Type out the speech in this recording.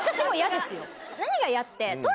何が嫌って。